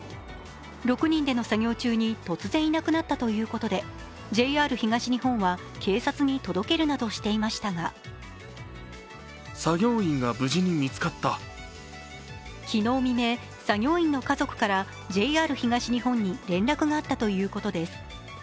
６人での作業中に突然いなくなったということで、ＪＲ東日本は警察に届けるなどしていましたが昨日未明、作業員の家族からＪＲ東日本に連絡があったということです。